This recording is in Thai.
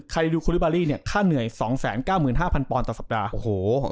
คายลิวคูลิบารี่เนี่ยค่าเหนื่อย๒๙๕๐๐๐ปอนต่อสัปดาห์